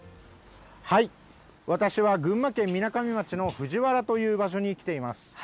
私は群馬県みなかみ町の藤原という場所に来ています。